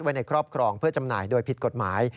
ในครอบครองเพื่อจำหน่ายโดยผิดกฎหมาย